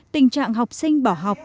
tình trạng học sinh bỏ học